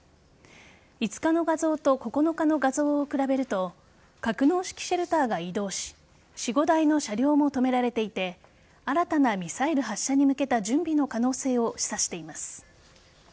５日の画像と９日の画像を比べると格納式シェルターが移動し４５台の車両も止められていて新たなミサイル発射に向けた準備の可能性を示唆しています。